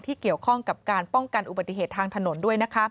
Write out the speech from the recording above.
เกี่ยวข้องกับการป้องกันอุบัติเหตุทางถนนด้วย